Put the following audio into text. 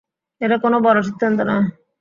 এটা কোনো বড়ো সিদ্ধান্ত নয়।